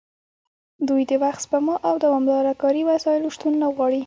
دوی د وخت سپما او دوامداره کاري وسایلو شتون نه غواړي